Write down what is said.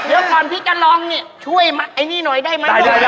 เดี๋ยวก่อนพี่จะลองเนี่ยช่วยไอ้นี่หน่อยได้ไหม